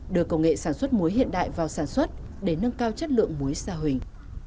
đưa công nghệ sản xuất muối hiện đại vào sản xuất để nâng cao chất lượng mối sa huỳnh